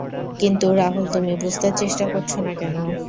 কিন্তু রাহুল তুমি বুঝতে চেষ্টা করছো না কেন।